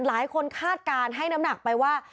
คาดการณ์ให้น้ำหนักไปว่า